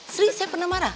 sri saya pernah marah